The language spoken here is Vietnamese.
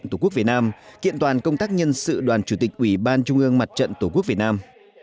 tổ quốc việt nam kiện toàn công tác nhân sự đoàn chủ tịch ủy ban trung ương mặt trận tổ quốc việt nam